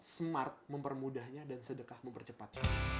smart mempermudahnya dan sedekah mempercepat